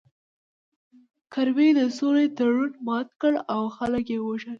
کرمي د سولې تړون مات کړ او خلک یې ووژل